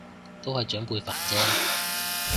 都係長輩煩啫